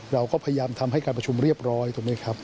เราก็พยายามทำให้การประชุมเรียบร้อยถูกไหมครับ